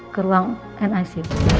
ke ruang nic